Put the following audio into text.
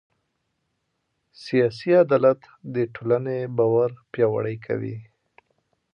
سیاسي عدالت د ټولنې باور پیاوړی کوي